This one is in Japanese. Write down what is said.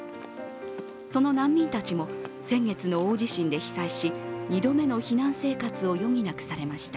その難民たちも、先月の大地震で被災し２度目の避難生活を余儀なくされました。